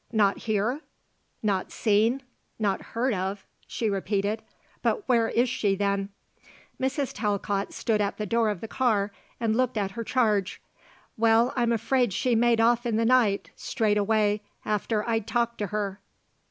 "Not here? Not seen? Not heard of?" she repeated. "But where is she then?" Mrs. Talcott stood at the door of the car and looked at her charge. "Well, I'm afraid she made off in the night, straight away, after I'd talked to her."